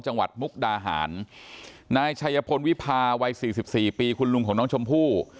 จังหวัดมุกดาหานณชพวิภาไว้๔๔ปีคุณลุงของน้องชมภู